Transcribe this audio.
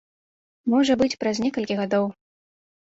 Можа быць, праз некалькі гадоў.